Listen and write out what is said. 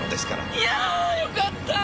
いやよかった！